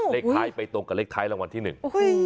เลขท้ายไปตรงกับเลขท้ายรางวัลที่หนึ่ง